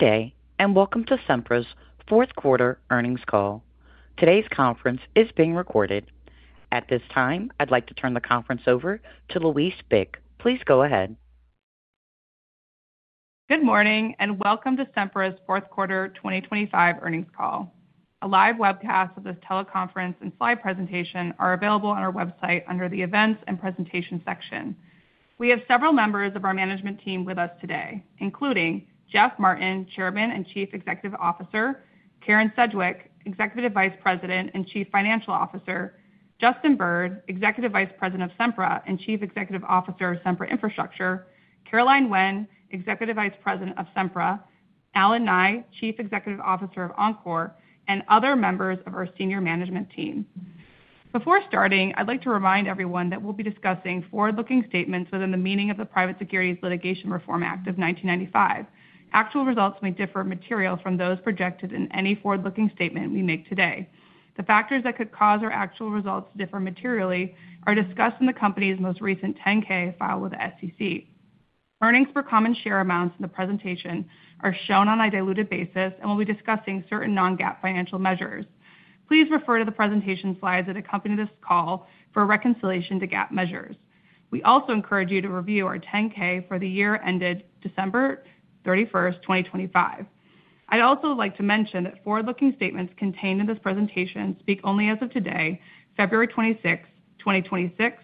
Okay, welcome to Sempra's fourth quarter earnings call. Today's conference is being recorded. At this time, I'd like to turn the conference over to Louise Bick. Please go ahead. Good morning and welcome to Sempra's fourth quarter 2025 earnings call. A live webcast of this teleconference and slide presentation are available on our website under the Events and Presentations section. We have several members of our management team with us today, including Jeff Martin, Chairman and Chief Executive Officer, Karen Sedgwick, Executive Vice President and Chief Financial Officer, Justin Bird, Executive Vice President of Sempra and Chief Executive Officer of Sempra Infrastructure, Caroline Winn, Executive Vice President of Sempra, Allen Nye, Chief Executive Officer of Oncor, and other members of our senior management team. Before starting, I'd like to remind everyone that we'll be discussing forward-looking statements within the meaning of the Private Securities Litigation Reform Act of 1995. Actual results may differ materially from those projected in any forward-looking statement we make today. The factors that could cause our actual results to differ materially are discussed in the company's most recent 10-K filed with the SEC. Earnings per common share amounts in the presentation are shown on a diluted basis, and we'll be discussing certain non-GAAP financial measures. Please refer to the presentation slides that accompany this call for reconciliation to GAAP measures. We also encourage you to review our 10-K for the year ended December 31st, 2025. I'd also like to mention that forward-looking statements contained in this presentation speak only as of today, February 26th, 2026,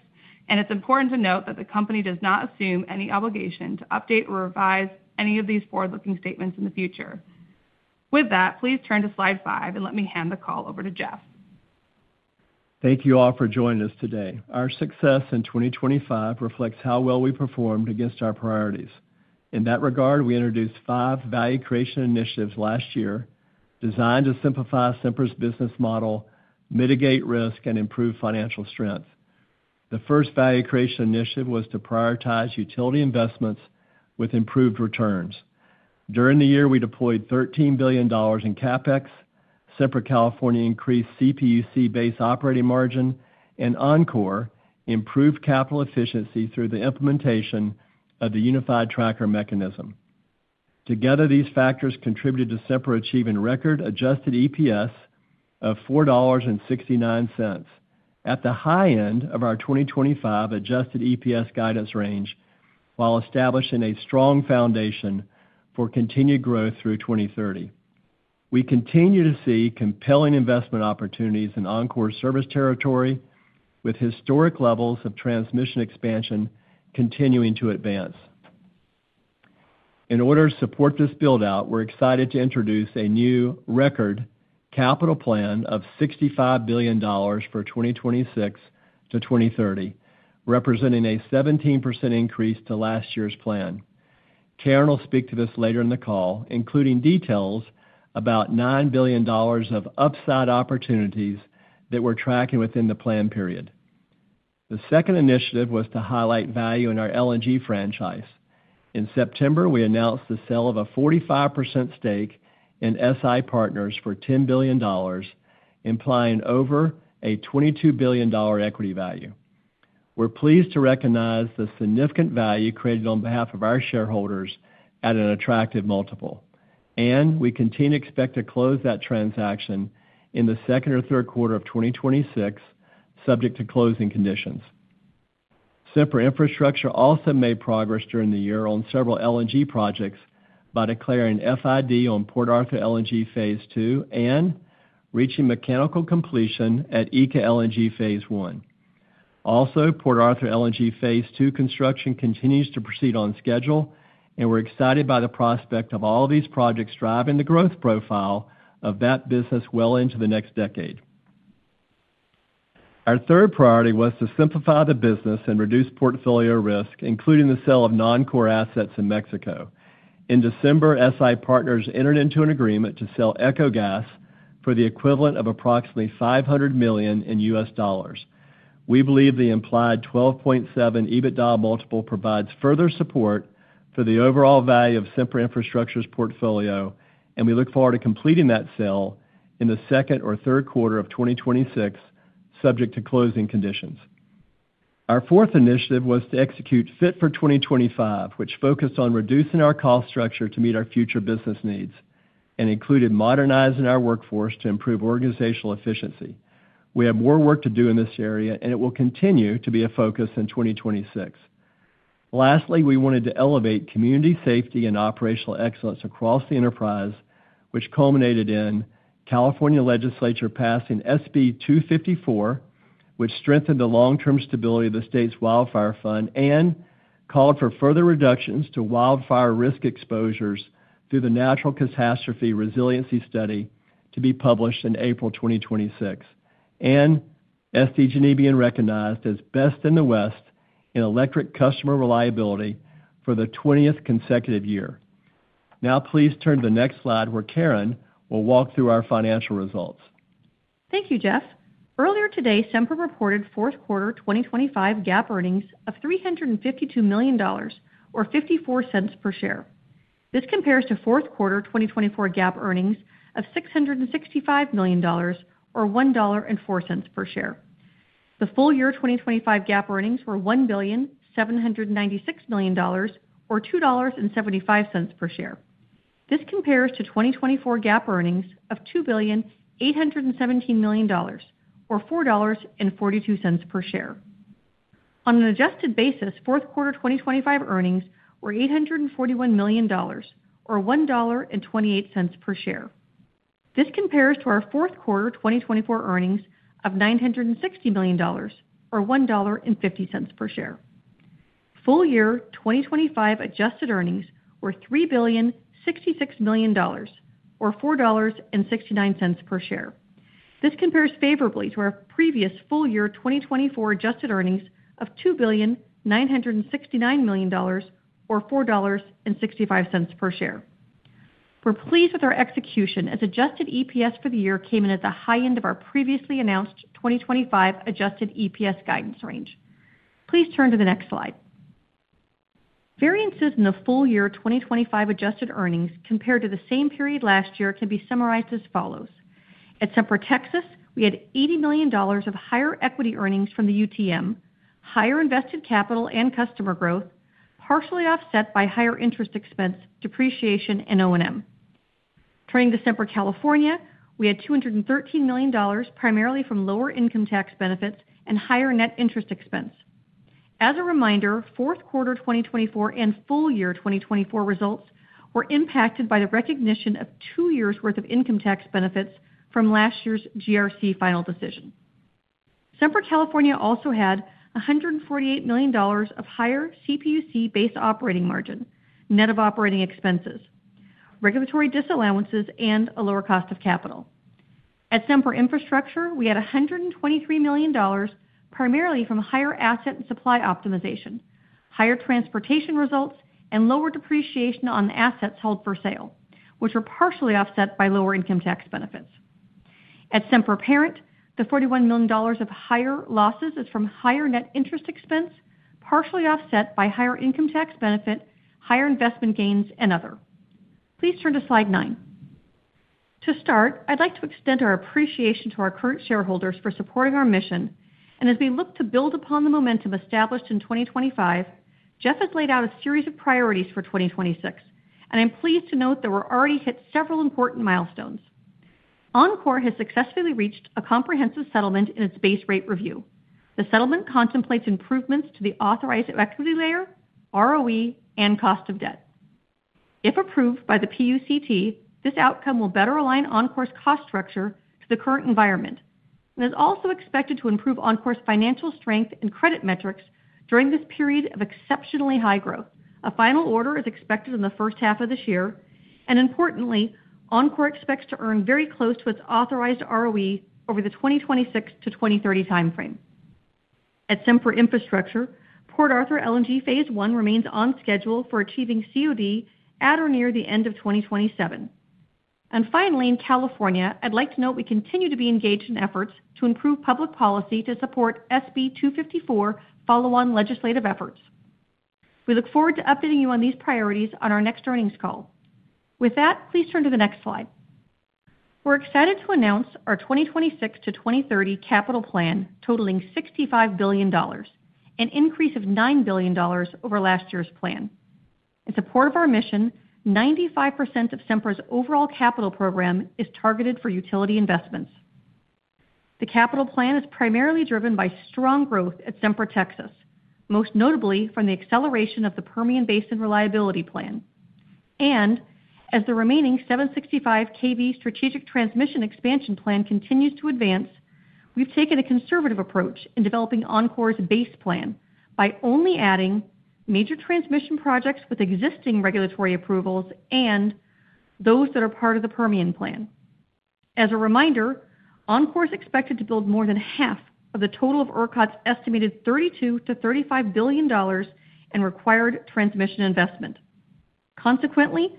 and it's important to note that the company does not assume any obligation to update or revise any of these forward-looking statements in the future. With that, please turn to slide five and let me hand the call over to Jeff. Thank you all for joining us today. Our success in 2025 reflects how well we performed against our priorities. In that regard, we introduced five value creation initiatives last year designed to simplify Sempra's business model, mitigate risk, and improve financial strength. The first value creation initiative was to prioritize utility investments with improved returns. During the year, we deployed $13 billion in CapEx, Sempra California increased CPUC-based operating margin, and Oncor improved capital efficiency through the implementation of the Unified Tracker Mechanism. Together, these factors contributed to Sempra achieving record adjusted EPS of $4.69 at the high end of our 2025 adjusted EPS guidance range while establishing a strong foundation for continued growth through 2030. We continue to see compelling investment opportunities in Oncor's service territory, with historic levels of transmission expansion continuing to advance. In order to support this buildout, we're excited to introduce a new record capital plan of $65 billion for 2026-2030, representing a 17% increase to last year's plan. Karen will speak to this later in the call, including details about $9 billion of upside opportunities that we're tracking within the plan period. The second initiative was to highlight value in our LNG franchise. In September, we announced the sale of a 45% stake in SI Partners for $10 billion, implying over a $22 billion equity value. We're pleased to recognize the significant value created on behalf of our shareholders at an attractive multiple, and we continue to expect to close that transaction in the second or third quarter of 2026, subject to closing conditions. Sempra Infrastructure also made progress during the year on several LNG projects by declaring FID on Port Arthur LNG phase II and reaching mechanical completion at ECA LNG phase I. Port Arthur LNG phase II construction continues to proceed on schedule, and we're excited by the prospect of all these projects driving the growth profile of that business well into the next decade. Our third priority was to simplify the business and reduce portfolio risk, including the sale of non-core assets in Mexico. In December, SI Partners entered into an agreement to sell Ecogas for the equivalent of approximately $500 million in U.S. dollars. We believe the implied 12.7 EBITDA multiple provides further support for the overall value of Sempra Infrastructure's portfolio, and we look forward to completing that sale in the second or third quarter of 2026, subject to closing conditions. Our fourth initiative was to execute Fit for 2025, which focused on reducing our cost structure to meet our future business needs and included modernizing our workforce to improve organizational efficiency. We have more work to do in this area. It will continue to be a focus in 2026. Lastly, we wanted to elevate community safety and operational excellence across the enterprise, which culminated in California Legislature passing SB-254, which strengthened the long-term stability of the state's wildfire fund and called for further reductions to wildfire risk exposures through the Natural Catastrophe Resiliency Study to be published in April 2026. SDG&E need to be recognized as best in the West in electric customer reliability for the 20th consecutive year. Now, please turn to the next slide, where Karen will walk through our financial results. Thank you, Jeff. Earlier today, Sempra reported fourth quarter 2025 GAAP earnings of $352 million or $0.54 per share. This compares to fourth quarter 2024 GAAP earnings of $665 million or $1.04 per share. The full year 2025 GAAP earnings were $1,796 million or $2.75 per share. This compares to 2024 GAAP earnings of $2,817 million or $4.42 per share. On an adjusted basis, fourth quarter 2025 earnings were $841 million or $1.28 per share. This compares to our fourth quarter 2024 earnings of $960 million or $1.50 per share. Full year 2025 adjusted earnings were $3,066 million or $4.69 per share. This compares favorably to our previous full year 2024 adjusted earnings of $2,969 million or $4.65 per share. We're pleased with our execution as adjusted EPS for the year came in at the high end of our previously announced 2025 adjusted EPS guidance range. Please turn to the next slide. Variances in the full year 2025 adjusted earnings compared to the same period last year can be summarized as follows. At Sempra Texas, we had $80 million of higher equity earnings from the UTM, higher invested capital and customer growth, partially offset by higher interest expense, depreciation, and O&M. Turning to Sempra California, we had $213 million primarily from lower income tax benefits and higher net interest expense. As a reminder, fourth quarter 2024 and full year 2024 results were impacted by the recognition of two years' worth of income tax benefits from last year's GRC final decision. Sempra California also had $148 million of higher CPUC-based operating margin, net of operating expenses, regulatory disallowances, and a lower cost of capital. At Sempra Infrastructure, we had $123 million primarily from higher asset and supply optimization, higher transportation results, and lower depreciation on assets held for sale, which were partially offset by lower income tax benefits. At Sempra Parent, the $41 million of higher losses is from higher net interest expense, partially offset by higher income tax benefit, higher investment gains, and other. Please turn to slide nine. To start, I'd like to extend our appreciation to our current shareholders for supporting our mission, and as we look to build upon the momentum established in 2025, Jeff has laid out a series of priorities for 2026, and I'm pleased to note that we're already hit several important milestones. Oncor has successfully reached a comprehensive settlement in its base rate review. The settlement contemplates improvements to the authorized equity layer, ROE, and cost of debt. If approved by the PUCT, this outcome will better align Oncor's cost structure to the current environment and is also expected to improve Oncor's financial strength and credit metrics during this period of exceptionally high growth. A final order is expected in the first half of this year, and importantly, Oncor expects to earn very close to its authorized ROE over the 2026 to 2030 time frame. At Sempra Infrastructure, Port Arthur LNG phase I remains on schedule for achieving COD at or near the end of 2027. Finally, in California, I'd like to note we continue to be engaged in efforts to improve public policy to support SB-254 follow-on legislative efforts. We look forward to updating you on these priorities on our next earnings call. With that, please turn to the next slide. We're excited to announce our 2026 to 2030 capital plan totaling $65 billion, an increase of $9 billion over last year's plan. In support of our mission, 95% of Sempra's overall capital program is targeted for utility investments. The capital plan is primarily driven by strong growth at Sempra Texas, most notably from the acceleration of the Permian Basin Reliability Plan. As the remaining 765kV Strategic Transmission Expansion Plan continues to advance, we've taken a conservative approach in developing Oncor's base plan by only adding major transmission projects with existing regulatory approvals and those that are part of the Permian Plan. As a reminder, Oncor is expected to build more than half of the total of ERCOT's estimated $32 billion-$35 billion in required transmission investment. Consequently,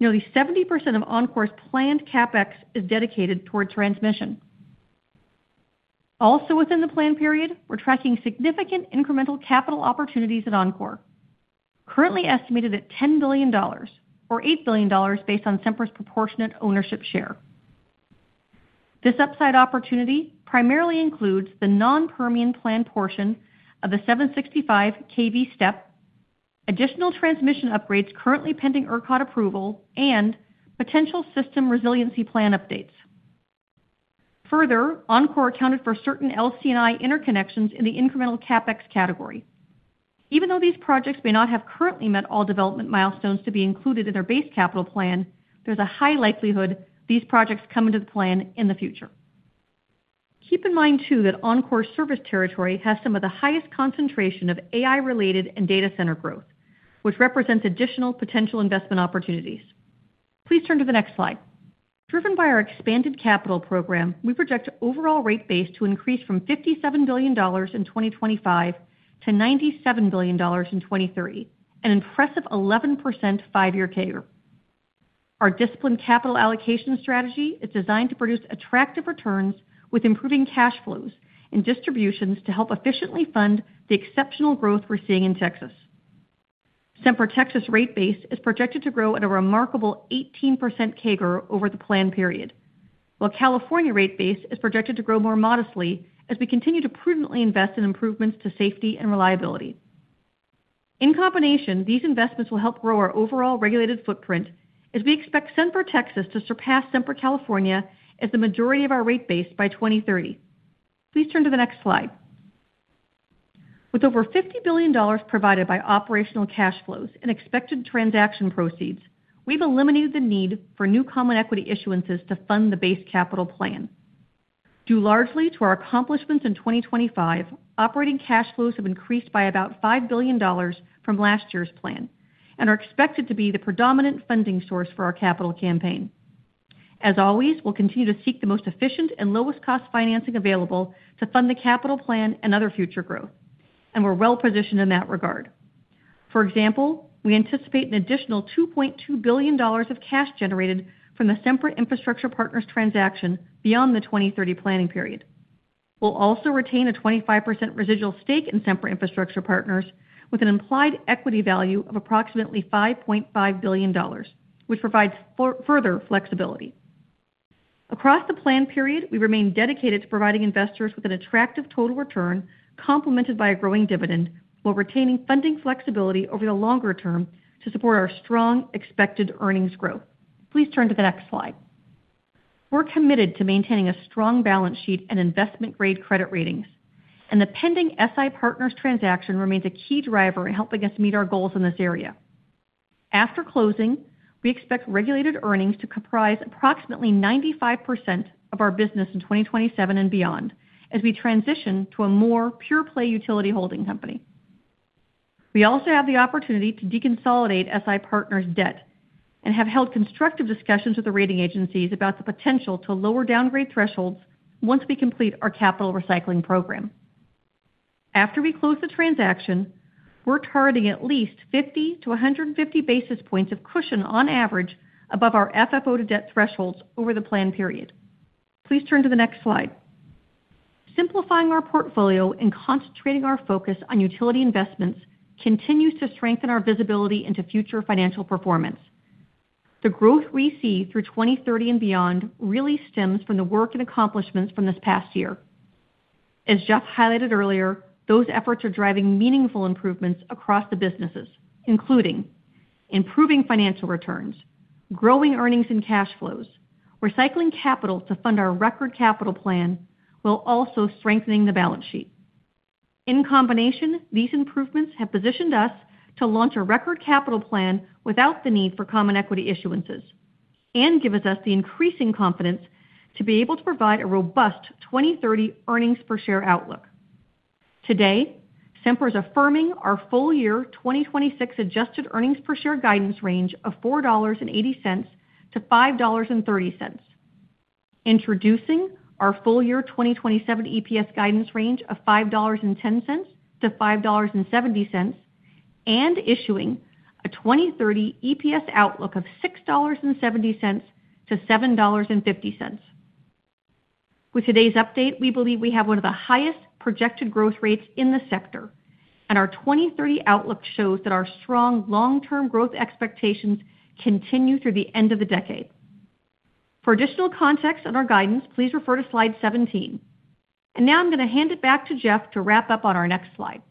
nearly 70% of Oncor's planned CapEx is dedicated toward transmission. Within the plan period, we're tracking significant incremental capital opportunities at Oncor, currently estimated at $10 billion or $8 billion based on Sempra's proportionate ownership share. This upside opportunity primarily includes the non-Permian Plan portion of the 765kV STEP, additional transmission upgrades currently pending ERCOT approval, and potential System Resiliency Plan updates. Oncor accounted for certain LC&I interconnections in the incremental CapEx category. These projects may not have currently met all development milestones to be included in their base capital plan, there's a high likelihood these projects come into the plan in the future. Keep in mind, too, that Oncor's service territory has some of the highest concentration of AI-related and data center growth, which represents additional potential investment opportunities. Please turn to the next slide. Driven by our expanded capital program, we project overall rate base to increase from $57 billion in 2025 to $97 billion in 2030, an impressive 11% five-year CAGR. Our disciplined capital allocation strategy is designed to produce attractive returns with improving cash flows and distributions to help efficiently fund the exceptional growth we're seeing in Texas. Sempra Texas rate base is projected to grow at a remarkable 18% CAGR over the plan period, while California rate base is projected to grow more modestly as we continue to prudently invest in improvements to safety and reliability. In combination, these investments will help grow our overall regulated footprint as we expect Sempra Texas to surpass Sempra California as the majority of our rate base by 2030. Please turn to the next slide. With over $50 billion provided by operational cash flows and expected transaction proceeds, we've eliminated the need for new common equity issuances to fund the base capital plan. Due largely to our accomplishments in 2025, operating cash flows have increased by about $5 billion from last year's plan and are expected to be the predominant funding source for our capital campaign. As always, we'll continue to seek the most efficient and lowest-cost financing available to fund the capital plan and other future growth, and we're well-positioned in that regard. For example, we anticipate an additional $2.2 billion of cash generated from the Sempra Infrastructure Partners transaction beyond the 2030 planning period. We'll also retain a 25% residual stake in Sempra Infrastructure Partners with an implied equity value of approximately $5.5 billion, which provides further flexibility. Across the plan period, we remain dedicated to providing investors with an attractive total return complemented by a growing dividend while retaining funding flexibility over the longer term to support our strong expected earnings growth. Please turn to the next slide. We're committed to maintaining a strong balance sheet and investment-grade credit ratings. The pending SI Partners transaction remains a key driver in helping us meet our goals in this area. After closing, we expect regulated earnings to comprise approximately 95% of our business in 2027 and beyond as we transition to a more pure-play utility holding company. We also have the opportunity to deconsolidate SI Partners debt and have held constructive discussions with the rating agencies about the potential to lower downgrade thresholds once we complete our capital recycling program. After we close the transaction, we're targeting at least 50-150 basis points of cushion on average above our FFO-to-debt thresholds over the plan period. Please turn to the next slide. Simplifying our portfolio and concentrating our focus on utility investments continues to strengthen our visibility into future financial performance. The growth we see through 2030 and beyond really stems from the work and accomplishments from this past year. As Jeff highlighted earlier, those efforts are driving meaningful improvements across the businesses, including improving financial returns, growing earnings and cash flows. Recycling capital to fund our record capital plan while also strengthening the balance sheet. In combination, these improvements have positioned us to launch a record capital plan without the need for common equity issuances and give us the increasing confidence to be able to provide a robust 2030 earnings per share outlook. Today, Sempra is affirming our full year 2026 adjusted EPS guidance range of $4.80-$5.30, introducing our full year 2027 EPS guidance range of $5.10-$5.70, and issuing a 2030 EPS outlook of $6.70-$7.50. With today's update, we believe we have one of the highest projected growth rates in the sector, and our 2030 outlook shows that our strong long-term growth expectations continue through the end of the decade. For additional context on our guidance, please refer to slide 17. Now I'm going to hand it back to Jeff to wrap up on our next slide.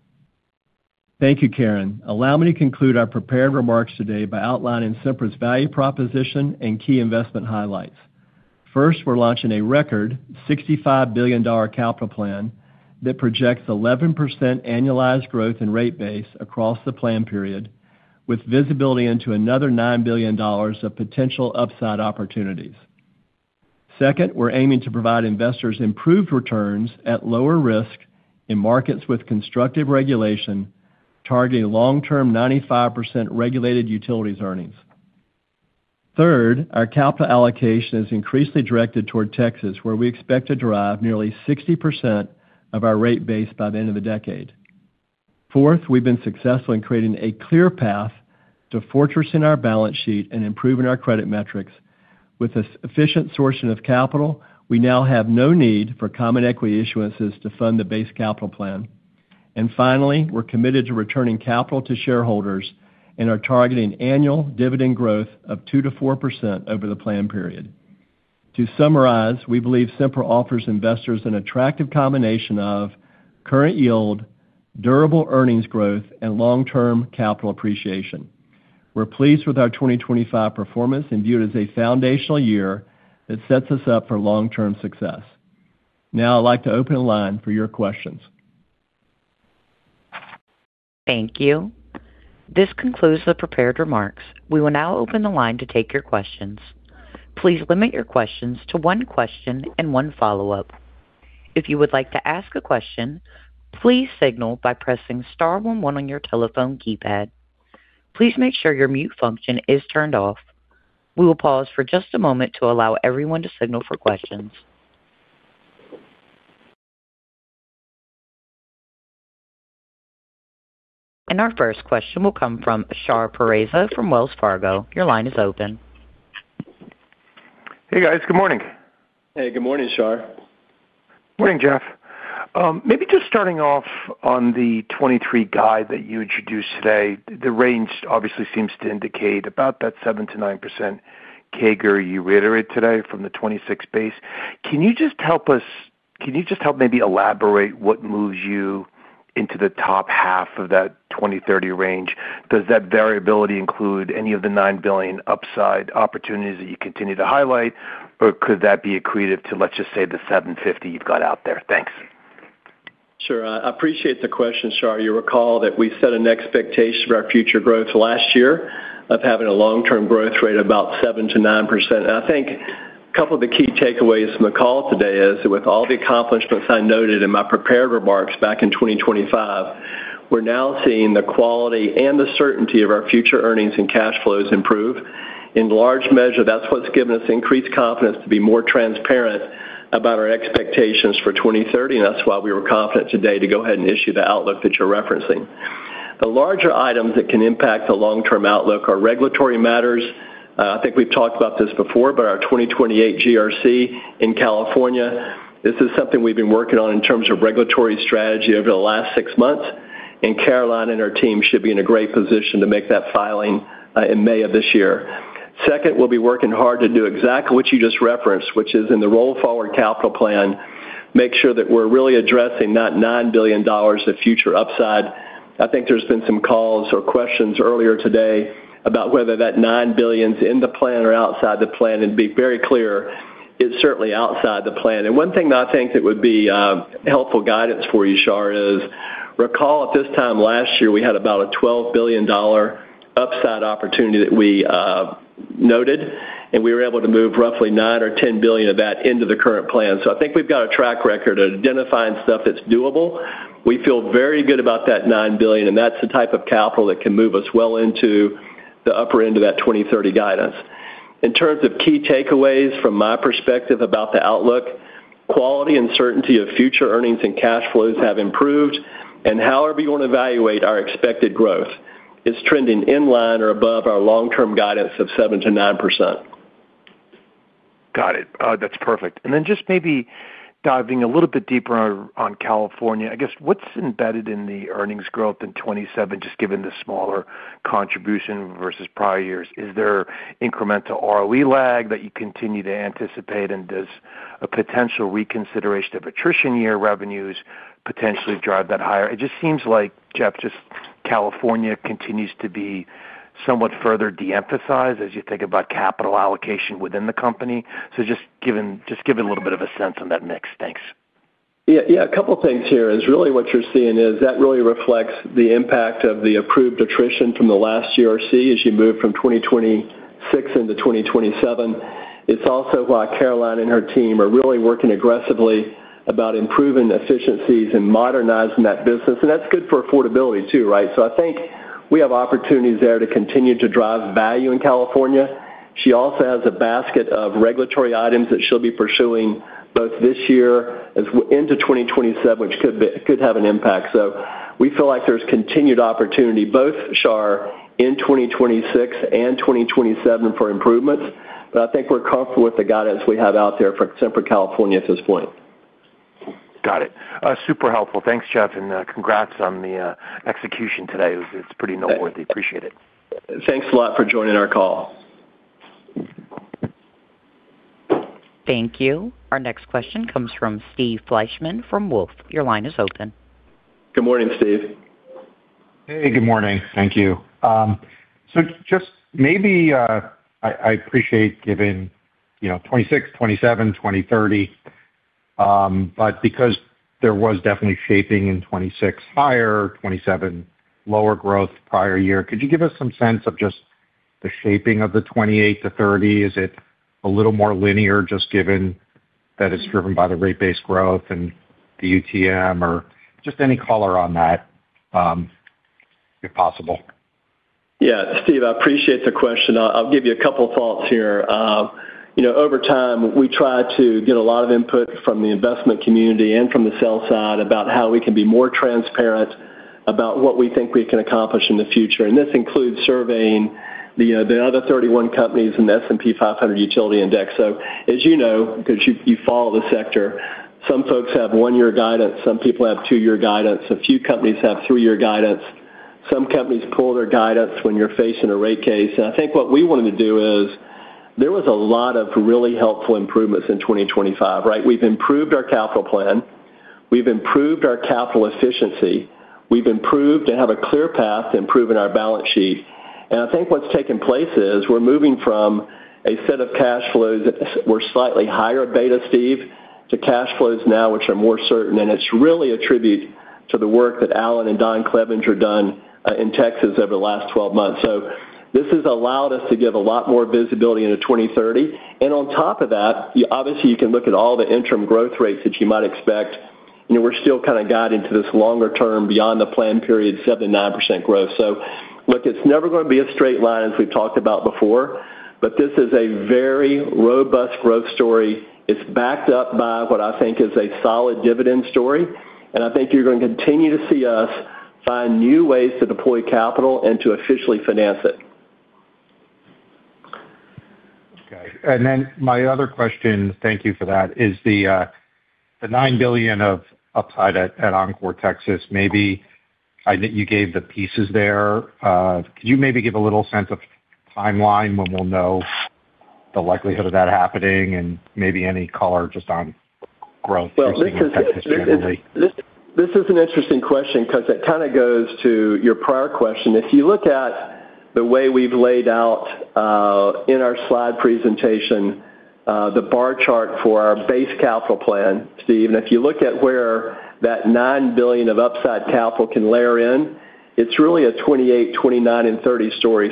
Thank you, Karen. Allow me to conclude our prepared remarks today by outlining Sempra's value proposition and key investment highlights. First, we're launching a record $65 billion capital plan that projects 11% annualized growth in rate base across the plan period with visibility into another $9 billion of potential upside opportunities. Second, we're aiming to provide investors improved returns at lower risk in markets with constructive regulation, targeting long-term 95% regulated utilities earnings. Third, our capital allocation is increasingly directed toward Texas, where we expect to derive nearly 60% of our rate base by the end of the decade. Fourth, we've been successful in creating a clear path to fortressing our balance sheet and improving our credit metrics. With efficient sourcing of capital, we now have no need for common equity issuances to fund the base capital plan. Finally, we're committed to returning capital to shareholders and are targeting annual dividend growth of 2%-4% over the plan period. To summarize, we believe Sempra offers investors an attractive combination of current yield, durable earnings growth, and long-term capital appreciation. We're pleased with our 2025 performance and view it as a foundational year that sets us up for long-term success. Now, I'd like to open the line for your questions. Thank you. This concludes the prepared remarks. We will now open the line to take your questions. Please limit your questions to one question and one follow-up. If you would like to ask a question, please signal by pressing star 11 on your telephone keypad. Please make sure your mute function is turned off. We will pause for just a moment to allow everyone to signal for questions. Our first question will come from Shar Pourreza from Wells Fargo. Your line is open. Hey, guys. Good morning. Hey, good morning, Shar. Morning, Jeff. Maybe just starting off on the 2023 guide that you introduced today, the range obviously seems to indicate about that 7%-9% CAGR you reiterated today from the 2026 base. Can you just help maybe elaborate what moves you into the top half of that 2030 range? Does that variability include any of the $9 billion upside opportunities that you continue to highlight, or could that be accretive to, let's just say, the $7.50 you've got out there? Thanks. Sure. I appreciate the question, Shar. You recall that we set an expectation for our future growth last year of having a long-term growth rate of about 7%-9%. I think a couple of the key takeaways from the call today is that with all the accomplishments I noted in my prepared remarks back in 2025, we're now seeing the quality and the certainty of our future earnings and cash flows improve. In large measure, that's what's given us increased confidence to be more transparent about our expectations for 2030. That's why we were confident today to go ahead and issue the outlook that you're referencing. The larger items that can impact the long-term outlook are regulatory matters. I think we've talked about this before. Our 2028 GRC in California, this is something we've been working on in terms of regulatory strategy over the last six months. Caroline and her team should be in a great position to make that filing in May of this year. Second, we'll be working hard to do exactly what you just referenced, which is in the roll forward capital plan, make sure that we're really addressing that $9 billion of future upside. I think there's been some calls or questions earlier today about whether that $9 billion is in the plan or outside the plan. Be very clear, it's certainly outside the plan. One thing that I think that would be helpful guidance for you, Shar, is recall at this time last year, we had about a $12 billion upside opportunity that we noted, and we were able to move roughly $9 billion or $10 billion of that into the current plan. I think we've got a track record of identifying stuff that's doable. We feel very good about that $9 billion, that's the type of capital that can move us well into the upper end of that 2030 guidance. In terms of key takeaways from my perspective about the outlook, quality and certainty of future earnings and cash flows have improved. How are we going to evaluate our expected growth? It's trending in line or above our long-term guidance of 7%-9%. Got it. That's perfect. just maybe diving a little bit deeper on California, I guess what's embedded in the earnings growth in 2027, just given the smaller contribution versus prior years? Is there incremental ROE lag that you continue to anticipate, and does a potential reconsideration of attrition year revenues potentially drive that higher? It just seems like, Jeff, just California continues to be somewhat further de-emphasized as you think about capital allocation within the company. just give it a little bit of a sense on that mix. Thanks. A couple of things here. Really, what you're seeing is that really reflects the impact of the approved attrition from the last GRC as you move from 2026 into 2027. It's also why Caroline and her team are really working aggressively about improving efficiencies and modernizing that business. That's good for affordability too, right? I think we have opportunities there to continue to drive value in California. She also has a basket of regulatory items that she'll be pursuing both this year and into 2027, which could have an impact. We feel like there's continued opportunity, both Shar, in 2026 and 2027 for improvements, but I think we're comfortable with the guidance we have out there for Sempra California at this point. Got it. Super helpful. Thanks, Jeff. Congrats on the execution today. It's pretty noteworthy. Appreciate it. Thanks a lot for joining our call. Thank you. Our next question comes from Steve Fleishman from Wolfe. Your line is open. Good morning, Steve. Hey, good morning. Thank you. Just maybe I appreciate given 2026, 2027, 2030, because there was definitely shaping in 2026 higher, 2027 lower growth prior year, could you give us some sense of just the shaping of the 2028 to 2030? Is it a little more linear just given that it's driven by the rate base growth and the UTM, or just any color on that if possible? Yeah, Steve, I appreciate the question. I'll give you a couple of thoughts here. Over time, we try to get a lot of input from the investment community and from the sell side about how we can be more transparent about what we think we can accomplish in the future. This includes surveying the other 31 companies in the S&P 500 utility index. As you know, because you follow the sector, some folks have one-year guidance, some people have two-year guidance, a few companies have three-year guidance. Some companies pull their guidance when you're facing a rate case. I think what we wanted to do is there was a lot of really helpful improvements in 2025, right? We've improved our capital plan. We've improved our capital efficiency. We've improved and have a clear path to improving our balance sheet. I think what's taken place is we're moving from a set of cash flows that were slightly higher beta, Steve, to cash flows now which are more certain. It's really a tribute to the work that Allen and Don Clevenger done in Texas over the last 12 months. This has allowed us to give a lot more visibility into 2030. On top of that, obviously, you can look at all the interim growth rates that you might expect. We're still kind of guided into this longer-term, beyond-the-plan-period 7%-9% growth. Look, it's never going to be a straight line as we've talked about before, but this is a very robust growth story. It's backed up by what I think is a solid dividend story, and I think you're going to continue to see us find new ways to deploy capital and to officially finance it. Okay. My other question, thank you for that, is the $9 billion upside at Oncor, Texas. Maybe I know you gave the pieces there. Could you maybe give a little sense of timeline when we'll know the likelihood of that happening and maybe any color just on growth through senior management? Well, this is an interesting question because it kind of goes to your prior question. If you look at the way we've laid out in our slide presentation, the bar chart for our base capital plan, Steve, and if you look at where that $9 billion of upside capital can layer in, it's really a 2028, 2029, and 2030 story.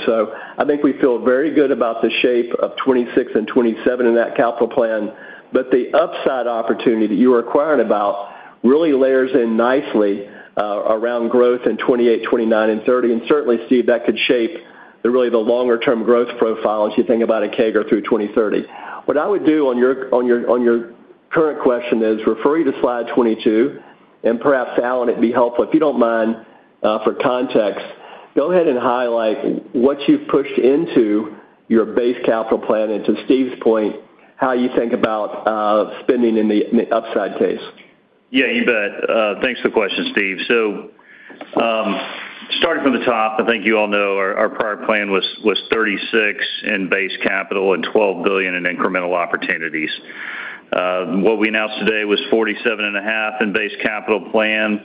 I think we feel very good about the shape of 2026 and 2027 in that capital plan, but the upside opportunity that you were inquiring about really layers in nicely around growth in 2028, 2029, and 2030. Certainly, Steve, that could shape really the longer-term growth profile as you think about a CAGR through 2030. What I would do on your current question is refer you to slide 22, and perhaps, Allen, it'd be helpful, if you don't mind, for context, go ahead and highlight what you've pushed into your base capital plan and, to Steve's point, how you think about spending in the upside case. Yeah, you bet. Thanks for the question, Steve. Starting from the top, I think you all know our prior plan was $36 billion in base capital and $12 billion in incremental opportunities. What we announced today was $47.5 billion in base capital plan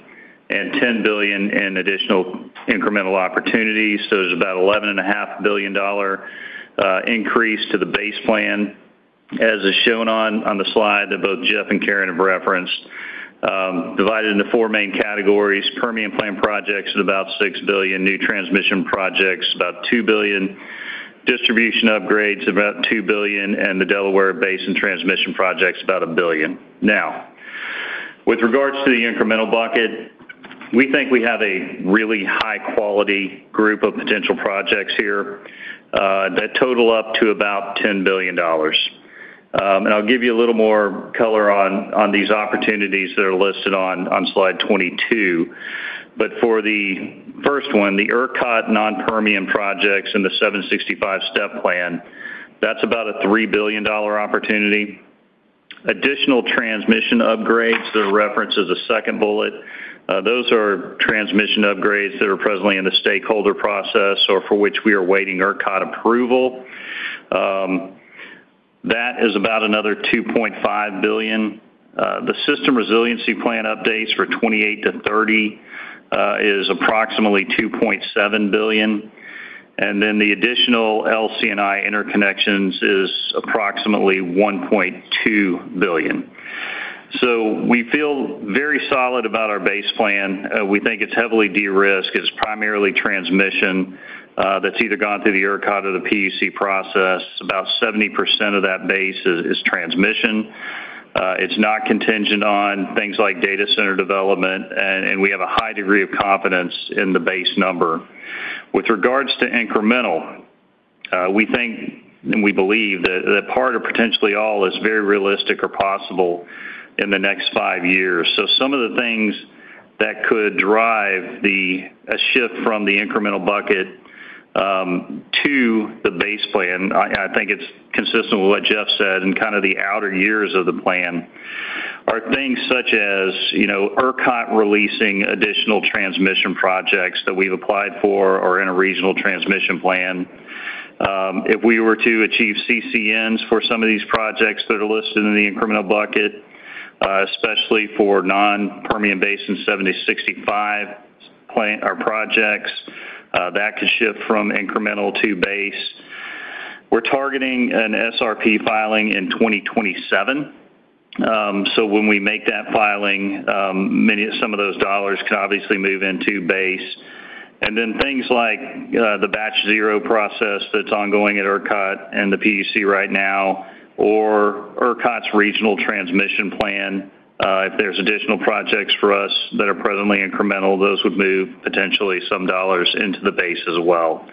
and $10 billion in additional incremental opportunities. It was about $11.5 billion increase to the base plan, as is shown on the slide that both Jeff and Karen have referenced, divided into four main categories: Permanent Plan projects at about $6 billion, New Transmission projects about $2 billion, Distribution Upgrades about $2 billion, and the Delaware Basin and Transmission projects about $1 billion. Now, with regards to the incremental bucket, we think we have a really high-quality group of potential projects here that total up to about $10 billion. I'll give you a little more color on these opportunities that are listed on slide 22. For the first one, the ERCOT non-permanent projects and the 765kV STEP plan, that's about a $3 billion opportunity. Additional transmission upgrades that are referenced as the second bullet, those are transmission upgrades that are presently in the stakeholder process or for which we are awaiting ERCOT approval. That is about another $2.5 billion. The System Resiliency Plan updates for 2028 to 2030 is approximately $2.7 billion, and then the additional LC&I interconnections is approximately $1.2 billion. We feel very solid about our base plan. We think it's heavily de-risked. It's primarily transmission that's either gone through the ERCOT or the PUC process. About 70% of that base is transmission. It's not contingent on things like data center development, and we have a high degree of confidence in the base number. With regards to incremental, we think and we believe that part or potentially all is very realistic or possible in the next five years. Some of the things that could drive a shift from the incremental bucket to the base plan, I think it's consistent with what Jeff said, and kind of the outer years of the plan, are things such as ERCOT releasing additional transmission projects that we've applied for or in a Regional Transmission Plan. If we were to achieve CCNs for some of these projects that are listed in the incremental bucket, especially for non-permanent base and 765kV projects, that could shift from incremental to base. We're targeting an SRP filing in 2027. When we make that filing, some of those dollars can obviously move into base. Things like the Batch Zero process that's ongoing at ERCOT and the PUC right now, or ERCOT's Regional Transmission Plan, if there's additional projects for us that are presently incremental, those would move potentially some dollars into the base as well.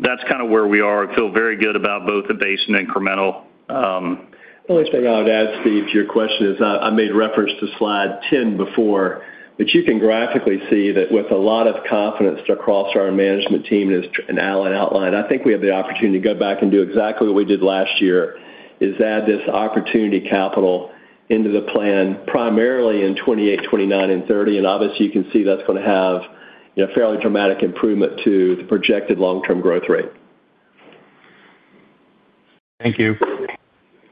That's kind of where we are. I feel very good about both the base and incremental. One last thing I would add, Steve, to your question is I made reference to slide 10 before, but you can graphically see that with a lot of confidence across our management team and as Allen outlined, I think we have the opportunity to go back and do exactly what we did last year, is add this opportunity capital into the plan primarily in 2028, 2029, and 2030. Obviously, you can see that's going to have a fairly dramatic improvement to the projected long-term growth rate. Thank you.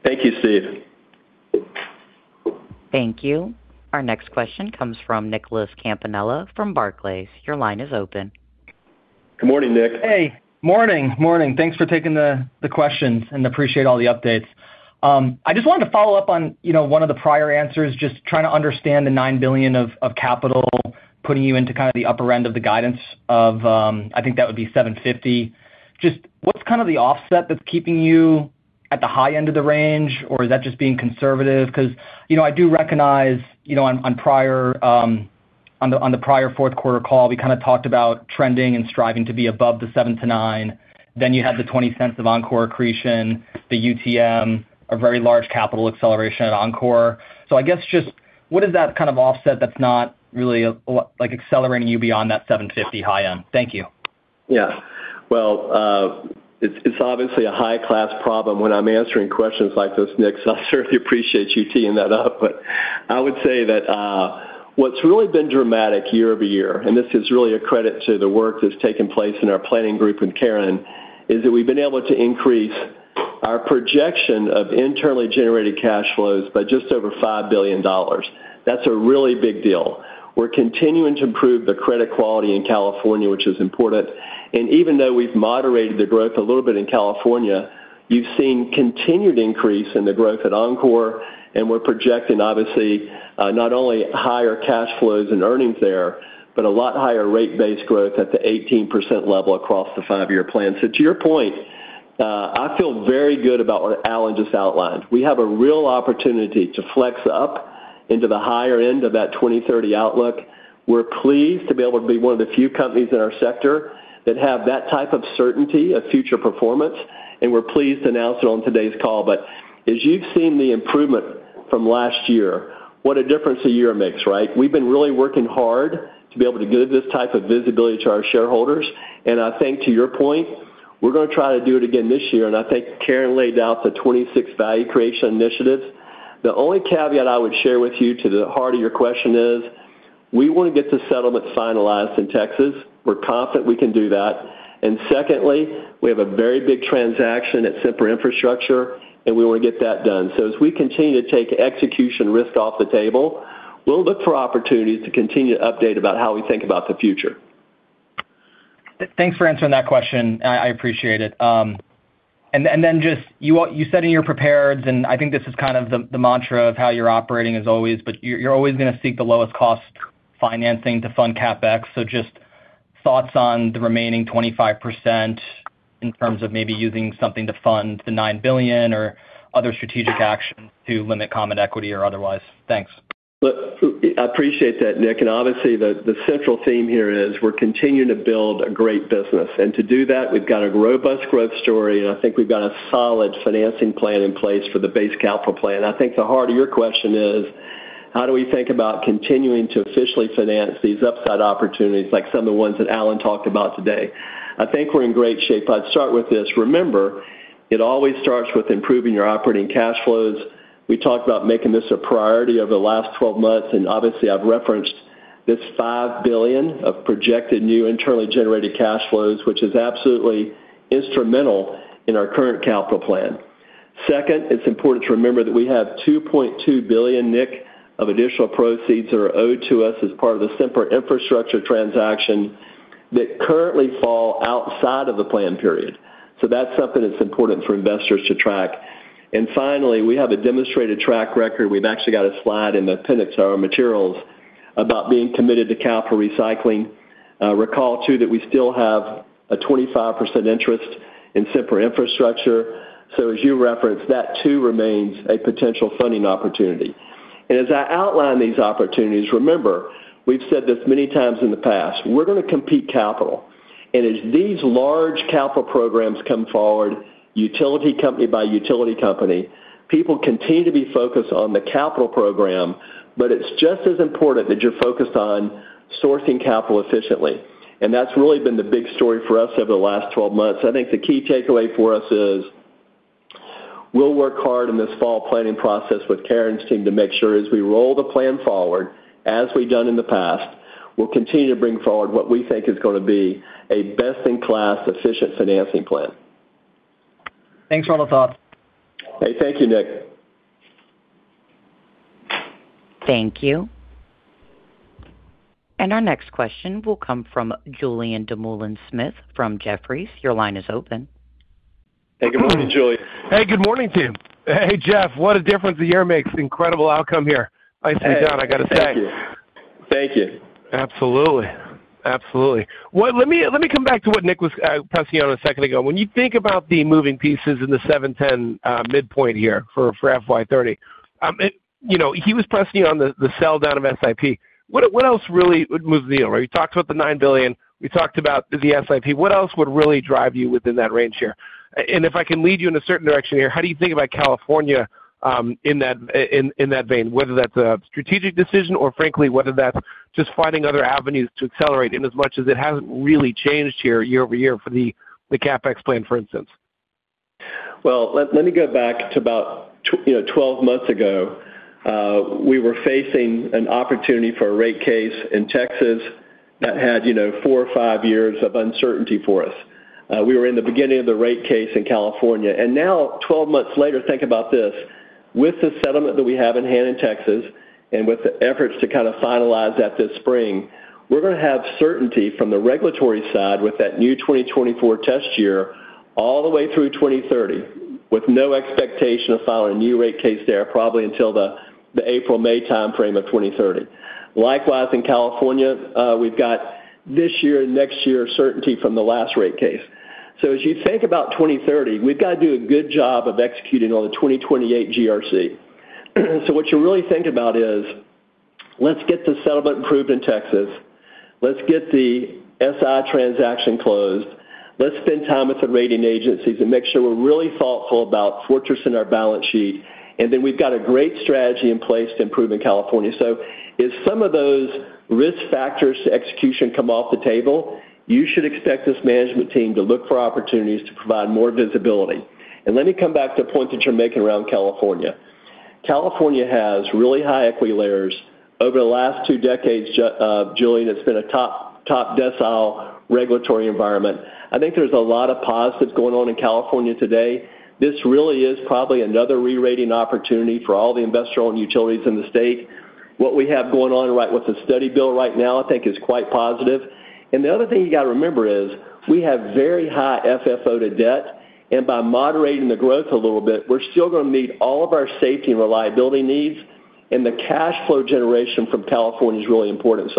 Thank you, Steve. Thank you. Our next question comes from Nicholas Campanella from Barclays. Your line is open. Good morning, Nick. Hey. Morning, morning. Thanks for taking the questions and appreciate all the updates. I just wanted to follow up on one of the prior answers, just trying to understand the $9 billion of capital putting you into kind of the upper end of the guidance of, I think that would be $7.50. Just what's kind of the offset that's keeping you at the high end of the range, or is that just being conservative? I do recognize on the prior fourth quarter call, we kind of talked about trending and striving to be above the $7-$9. You had the $0.20 of Oncor accretion, the UTM, a very large capital acceleration at Oncor. I guess just what is that kind of offset that's not really accelerating you beyond that $7.50 high end? Thank you. It's obviously a high-class problem. When I'm answering questions like this, Nick, so I certainly appreciate you teeing that up. I would say that what's really been dramatic year-over-year, this is really a credit to the work that's taken place in our planning group with Karen, is that we've been able to increase our projection of internally generated cash flows by just over $5 billion. That's a really big deal. We're continuing to improve the credit quality in California, which is important. Even though we've moderated the growth a little bit in California, you've seen continued increase in the growth at Oncor. We're projecting, obviously, not only higher cash flows and earnings there, but a lot higher rate base growth at the 18% level across the five-year plan. To your point, I feel very good about what Allen just outlined. We have a real opportunity to flex up into the higher end of that 2030 outlook. We're pleased to be able to be one of the few companies in our sector that have that type of certainty of future performance, and we're pleased to announce it on today's call. As you've seen the improvement from last year, what a difference a year makes, right? We've been really working hard to be able to give this type of visibility to our shareholders. I think, to your point, we're going to try to do it again this year. I think Karen laid out the 26 value creation initiatives. The only caveat I would share with you to the heart of your question is we want to get the settlement finalized in Texas. We're confident we can do that. Secondly, we have a very big transaction at Sempra Infrastructure, and we want to get that done. As we continue to take execution risk off the table, we'll look for opportunities to continue to update about how we think about the future. Thanks for answering that question. I appreciate it. Then just you said in your prepareds, and I think this is kind of the mantra of how you're operating as always, you're always going to seek the lowest-cost financing to fund CapEx. Just thoughts on the remaining 25% in terms of maybe using something to fund the $9 billion or other strategic actions to limit common equity or otherwise? Thanks. Look, I appreciate that, Nick. Obviously, the central theme here is we're continuing to build a great business. To do that, we've got a robust growth story, and I think we've got a solid financing plan in place for the base capital plan. I think the heart of your question is how do we think about continuing to officially finance these upside opportunities like some of the ones that Allen talked about today? I think we're in great shape. I'd start with this. Remember, it always starts with improving your operating cash flows. We talked about making this a priority over the last 12 months. Obviously, I've referenced this $5 billion of projected new internally generated cash flows, which is absolutely instrumental in our current capital plan. Second, it's important to remember that we have $2.2 billion, Nick, of additional proceeds that are owed to us as part of the Sempra Infrastructure transaction that currently fall outside of the plan period. That's something that's important for investors to track. Finally, we have a demonstrated track record. We've actually got a slide in the appendix to our materials about being committed to capital recycling. Recall, too, that we still have a 25% interest in Sempra Infrastructure. As you referenced, that too remains a potential funding opportunity. As I outline these opportunities, remember, we've said this many times in the past, we're going to compete capital. As these large capital programs come forward, utility company by utility company, people continue to be focused on the capital program, but it's just as important that you're focused on sourcing capital efficiently. That's really been the big story for us over the last 12 months. I think the key takeaway for us is we'll work hard in this fall planning process with Karen's team to make sure, as we roll the plan forward, as we've done in the past, we'll continue to bring forward what we think is going to be a best-in-class, efficient financing plan. Thanks for all the thoughts. Hey, thank you, Nick. Thank you. Our next question will come from Julien Dumoulin-Smith from Jefferies. Your line is open. Hey, good morning, Julien. Hey, good morning to you. Hey, Jeff, what a difference the year makes. Incredible outcome here. Nice to be down, I got to say. Hey, thank you. Thank you. Absolutely. Absolutely. Let me come back to what Nick was pressing you on a second ago. When you think about the moving pieces in the $710 million midpoint here for FY 2030, he was pressing you on the sell down of SIP. What else really would move the deal, right? We talked about the $9 billion. We talked about the SIP. What else would really drive you within that range here? If I can lead you in a certain direction here, how do you think about California in that vein, whether that's a strategic decision or, frankly, whether that's just finding other avenues to accelerate? As much as it hasn't really changed here year-over-year for the CapEx plan, for instance. Well, let me go back to about 12 months ago. We were facing an opportunity for a rate case in Texas that had four or five years of uncertainty for us. We were in the beginning of the rate case in California. Now, 12 months later, think about this. With the settlement that we have in hand in Texas and with the efforts to kind of finalize that this spring, we're going to have certainty from the regulatory side with that new 2024 test year all the way through 2030, with no expectation of filing a new rate case there probably until the April, May time frame of 2030. Likewise, in California, we've got this year and next year certainty from the last rate case. As you think about 2030, we've got to do a good job of executing on the 2028 GRC. What you really think about is, let's get the settlement approved in Texas. Let's get the SI transaction closed. Let's spend time with the rating agencies and make sure we're really thoughtful about fortressing our balance sheet. Then we've got a great strategy in place to improve in California. As some of those risk factors to execution come off the table, you should expect this management team to look for opportunities to provide more visibility. Let me come back to a point that you're making around California. California has really high equity layers. Over the last 2 decades, Julien, it's been a top decile regulatory environment. I think there's a lot of positives going on in California today. This really is probably another rerating opportunity for all the investor-owned utilities in the state. What we have going on with the study bill right now, I think, is quite positive. The other thing you got to remember is we have very high FFO-to-debt. By moderating the growth a little bit, we're still going to meet all of our safety and reliability needs. The cash flow generation from California is really important.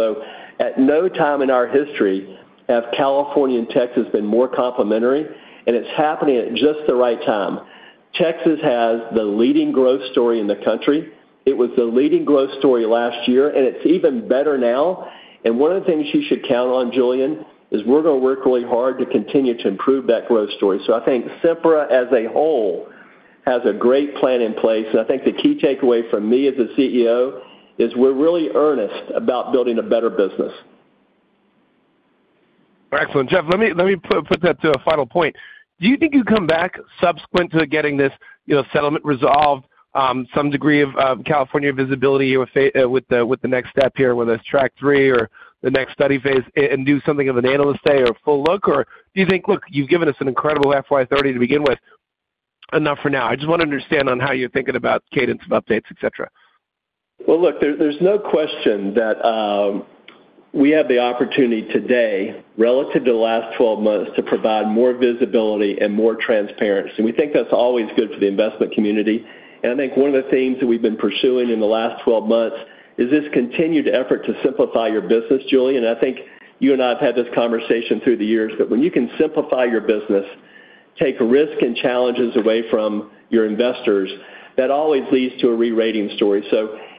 At no time in our history have California and Texas been more complementary, and it's happening at just the right time. Texas has the leading growth story in the country. It was the leading growth story last year, and it's even better now. One of the things you should count on, Julien, is we're going to work really hard to continue to improve that growth story. I think Sempra as a whole has a great plan in place. I think the key takeaway from me as a CEO is we're really earnest about building a better business. Excellent. Jeff, let me put that to a final point. Do you think you'd come back subsequent to getting this settlement resolved, some degree of California visibility with the next step here with Track 3 or the next study phase, and do something of an analyst day or a full look? Do you think, look, you've given us an incredible FY 2030 to begin with, enough for now? I just want to understand on how you're thinking about cadence of updates, etc. Well, look, there's no question that we have the opportunity today, relative to the last 12 months, to provide more visibility and more transparency. We think that's always good for the investment community. I think one of the themes that we've been pursuing in the last 12 months is this continued effort to simplify your business, Julien. I think you and I have had this conversation through the years that when you can simplify your business, take risk and challenges away from your investors, that always leads to a rerating story.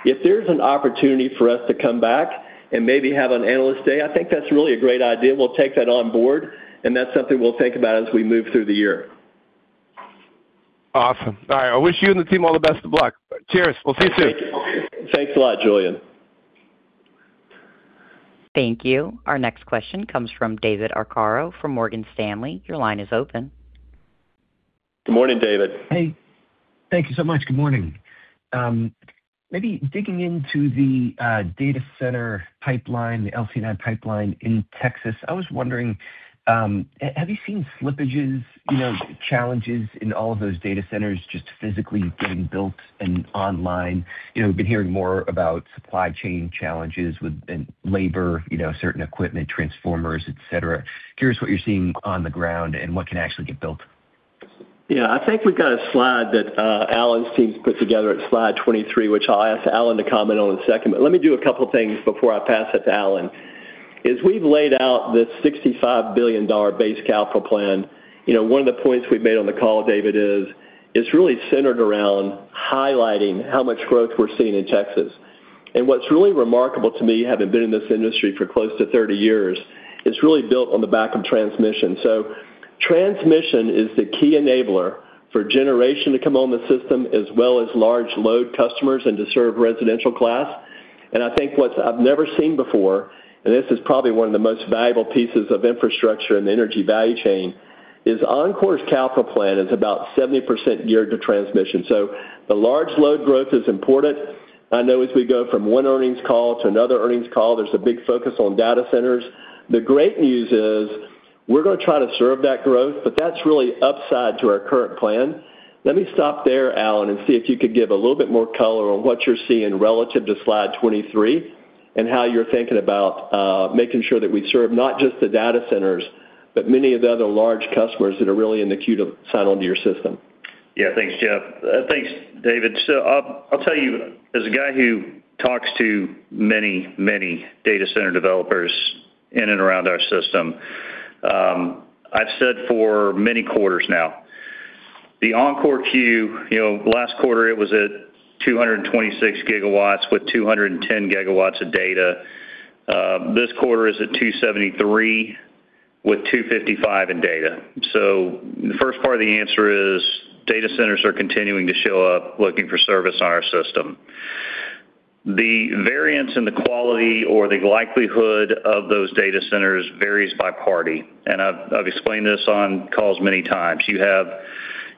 If there's an opportunity for us to come back and maybe have an analyst day, I think that's really a great idea. We'll take that on board, and that's something we'll think about as we move through the year. Awesome. All right. I wish you and the team all the best of luck. Cheers. We'll see you soon. Thanks a lot, Julien. Thank you. Our next question comes from David Arcaro from Morgan Stanley. Your line is open. Good morning, David. Hey. Thank you so much. Good morning. Maybe digging into the Data Center pipeline, the LNG pipeline in Texas, I was wondering, have you seen slippages, challenges in all of those data centers just physically getting built and online? We've been hearing more about supply chain challenges with labor, certain equipment, transformers, etc. Curious what you're seeing on the ground and what can actually get built? Yeah. I think we've got a slide that Allen's team's put together at slide 23, which I'll ask Allen to comment on a second. Let me do a couple of things before I pass it to Allen. As we've laid out the $65 billion base capital plan, one of the points we've made on the call, David, is it's really centered around highlighting how much growth we're seeing in Texas. What's really remarkable to me, having been in this industry for close to 30 years, it's really built on the back of transmission. Transmission is the key enabler for generation to come on the system as well as large load customers and to serve residential class. I think what I've never seen before, and this is probably one of the most valuable pieces of infrastructure in the energy value chain, is Oncor's capital plan is about 70% geared to transmission. The large load growth is important. I know as we go from one earnings call to another earnings call, there's a big focus on data centers. The great news is we're going to try to serve that growth, but that's really upside to our current plan. Let me stop there, Allen, and see if you could give a little bit more color on what you're seeing relative to slide 23 and how you're thinking about making sure that we serve not just the data centers, but many of the other large customers that are really in the queue to sign on to your system. Yeah. Thanks, Jeff. Thanks, David. I'll tell you, as a guy who talks to many, many data center developers in and around our system, I've said for many quarters now, the Oncor queue, last quarter, it was at 226 GW with 210 GW of data. This quarter is at 273 GW with 255 GW in data. The first part of the answer is data centers are continuing to show up looking for service on our system. The variance in the quality or the likelihood of those data centers varies by party. I've explained this on calls many times.